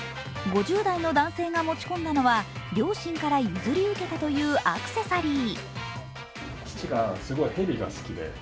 ５０代の男性が持ち込んだのは両親から譲り受けたというアクセサリー。